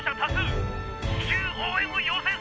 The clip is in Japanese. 至急応援を要請する！」